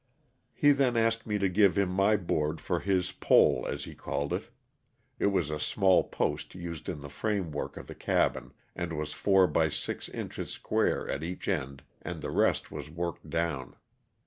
He then asked me to give him my board for his pole, as he called it — it was a small post used in the framework of the cabin, and was four by six inches square at each end and the rest was worked down.